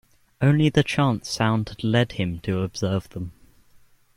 Only the chance sound had led him to observe them.